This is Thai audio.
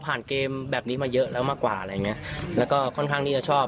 เกมแบบนี้มาเยอะแล้วมากกว่าอะไรอย่างเงี้ยแล้วก็ค่อนข้างที่จะชอบ